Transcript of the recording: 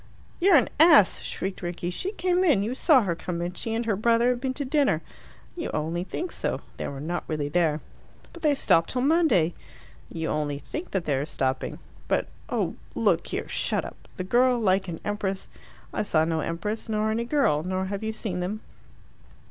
"You're an ass!" shrieked Rickie. "She came in. You saw her come in. She and her brother have been to dinner." "You only think so. They were not really there." "But they stop till Monday." "You only think that they are stopping." "But oh, look here, shut up! The girl like an empress " "I saw no empress, nor any girl, nor have you seen them."